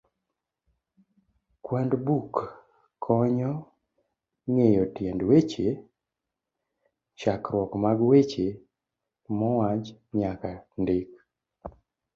kwand buk konyo Ng'eyo Tiend Weche, chakruok mag weche mowach nyaka ndik.